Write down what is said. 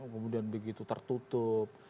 kemudian begitu tertutup